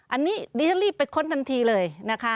อันนี้ดิฉันรีบไปค้นทันทีเลยนะคะ